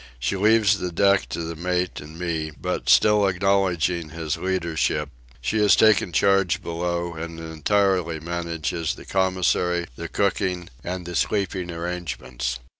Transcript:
She leaves the deck to the mate and me; but, still acknowledging his leadership, she has taken charge below and entirely manages the commissary, the cooking, and the sleeping arrangements.